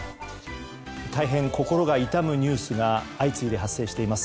大変心が痛むニュースが相次いで発生しています。